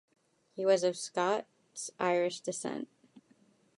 He was of Scots-Irish descent.